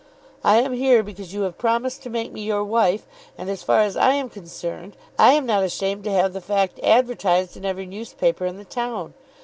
I am here because you have promised to make me your wife, and, as far as I am concerned, I am not ashamed to have the fact advertised in every newspaper in the town.